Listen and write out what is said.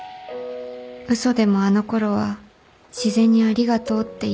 嘘でもあのころは自然にありがとうって言えたのに